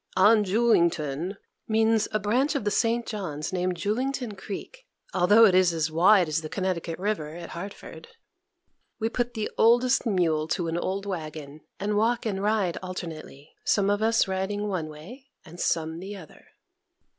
"On Julington" means on a branch of the St. John's named Julington Creek, although it is as wide as the Connecticut River at Hartford. We put the oldest mule to an old wagon, and walk and ride alternately; some of us riding one way, and some the other.